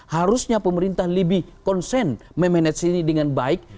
harusnya pemerintah lebih konsen memanage ini dengan baik